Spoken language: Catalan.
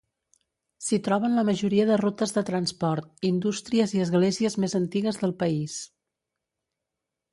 S'hi troben la majoria de rutes de transport, indústries i esglésies més antigues del país.